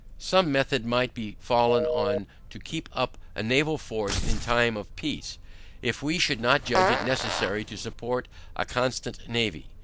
Some method might be fallen on to keep up a naval force in time of peace, if we should not judge it necessary to support a constant navy.